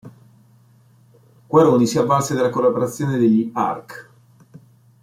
Quaroni si avvalse della collaborazione degli arch.